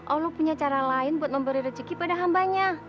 allah punya cara lain buat memberi rezeki pada hambanya